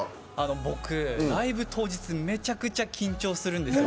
僕ライブ当日にめちゃくちゃ緊張するんですよ。